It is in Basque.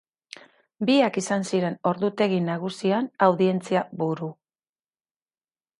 Biak izan ziren ordutegi nagusian audientzia buru.